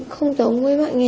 không giống với mạng nghề